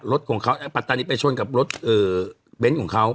รถของเขาปัตตานีไปชนกับรถเบนท์ของเขา